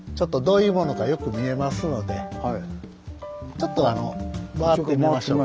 ちょっと回ってみましょうか。